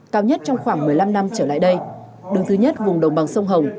cao nhất trong khoảng một mươi năm năm trở lại đây đứng thứ nhất vùng đồng bằng sông hồng